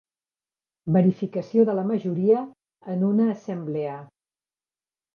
Verificació de la majoria en una assemblea.